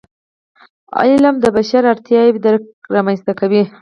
علم د بشري اړتیاوو درک رامنځته کوي.